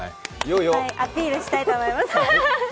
いっぱいアピールしたいと思います。